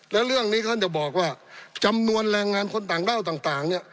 แล้วเรื่องนี้ท่านจะบอกว่าจำนวนแรงงานคนต่างด้าวต่างเนี่ย